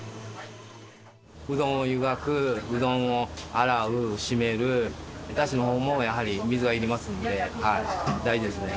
うどんを湯がく、うどんを洗う、締める、だしのほうもやはり水がいりますんで、大事ですね。